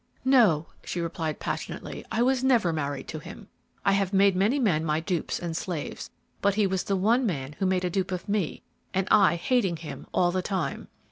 "No," she replied, passionately; "I was never married to him. I have made many men my dupes and slaves, but he was the one man who made a dupe of me, and I hating him all the time!"